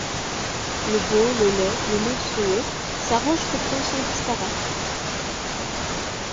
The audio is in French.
Le beau, le laid, le monstrueux, s'arrangent pourtant sans disparate.